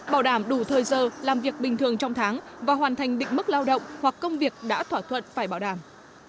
bảo đảm đủ thời giờ làm việc bình thường trong tháng và hoàn thành định mức lao động hoặc công việc đã thỏa thuận phải bảo đảm